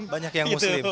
banyak yang muslim